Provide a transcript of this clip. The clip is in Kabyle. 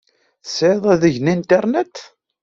Tesɛiḍ adeg n Internet?